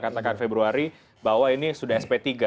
katakan februari bahwa ini sudah sp tiga